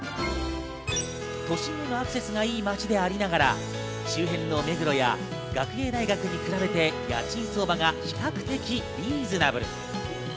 都心にもアクセスがいい街でありながら周辺の目黒や学芸大学に比べて家賃相場が比較的リーズナブル。